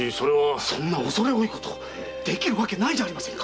そんなおそれ多いことできるわけないじゃありませんか。